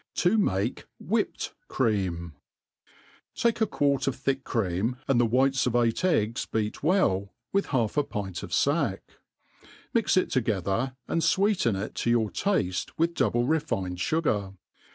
_ if 7i maki Whipt Crtanu TAKE a quart of thick cream, and the whites of eight eggs ^eat well, with half a pint of fack ; mix it together, and fweeten it to your tafte with double refined fugar.